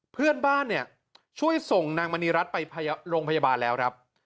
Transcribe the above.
เพื่อนบ้านเนี่ยช่วยส่งนางมณีรัฐไปโรงพยาบาลแล้วครับ